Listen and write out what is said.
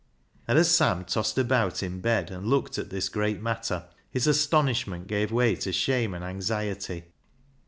And as Sam tossed about in bed, and looked at this great matter, his astonishment gave w^ay to shame and anxiety.